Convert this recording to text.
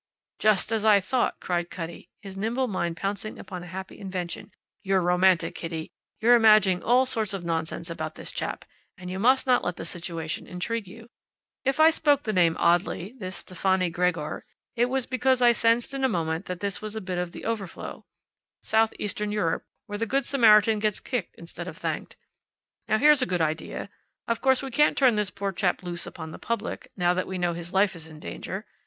"Just as I thought!" cried Cutty, his nimble mind pouncing upon a happy invention. "You're romantic, Kitty. You're imagining all sorts of nonsense about this chap, and you must not let the situation intrigue you. If I spoke the name oddly this Stefani Gregor it was because I sensed in a moment that this was a bit of the overflow. Southeastern Europe, where the good Samaritan gets kicked instead of thanked. Now, here's a good idea. Of course we can't turn this poor chap loose upon the public, now that we know his life is in danger.